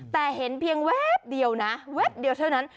แต่เห็นเพียงแวบเดียวนะแวบเดียวเท่านั้น